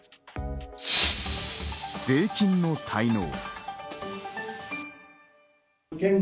税金の滞納。